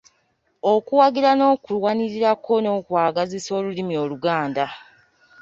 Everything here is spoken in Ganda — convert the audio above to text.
Okuwagira n’okuwanirira ko n’okwagazisa olulimi Oluganda